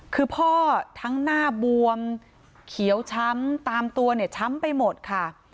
คือพ่อทั้งหน้าบวมเขียวช้ำตามตัวเนี่ยช้ำไปหมดค่ะ